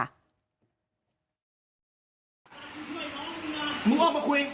ปากเก่งไม่ได้เปิดตัวเดี๋ยวมึงพ้น